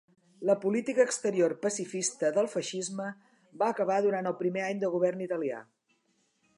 La política exterior pacifista del feixisme va acabar durant el primer any de govern italià.